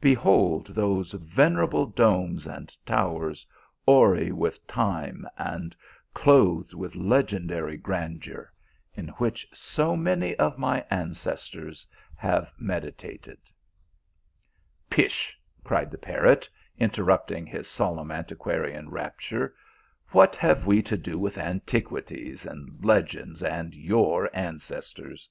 Behold those venerable domes and towers, hoary with time, and clothed with legendary grandeur ; in which so many of my ancestors have meditated "" Pish," cried the parrot, interrupting his solemn antiquarian rapture, "what have we to do with anti quities, and legends, and your ancestors?